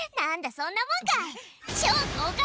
そんなもんか。